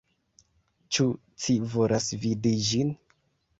Ĉu ci volas vidi ĝin?